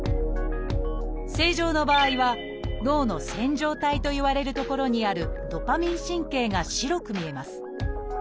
正常な場合は脳の「線条体」といわれる所にあるドパミン神経が白く見えます。